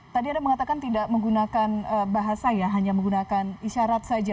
tadi ada mengatakan tidak menggunakan bahasa ya hanya menggunakan isyarat saja